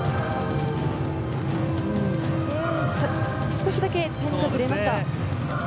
少しだけタイミングがずれました。